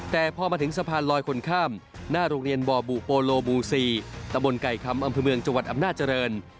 แต่พอมาถึงสะพานลอยคนข้ามหน้าโรงเรียนบ่อบูโปโลบู๔ตะบนไก่คำอำเภอเมืองจังหวัดอำนาจริง